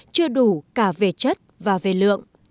chưa đủ cả về chất và về lượng